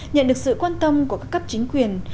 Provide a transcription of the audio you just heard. nhận được sự quan tâm của các cấp chính quyền